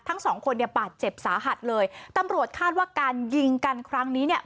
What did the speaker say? ทั้งสองคนเนี่ยบาดเจ็บสาหัสเลยตำรวจคาดว่าการยิงกันครั้งนี้เนี่ย